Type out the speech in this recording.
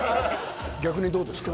逆にどうですか？